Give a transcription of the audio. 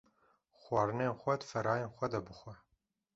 Xwarinên xwe di ferayên xwe de bixwe